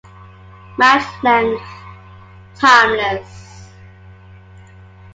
Match length: Timeless.